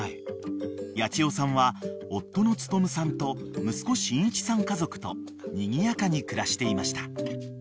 ［八千代さんは夫の力さんと息子信一さん家族とにぎやかに暮らしていました］